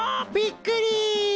びっくり！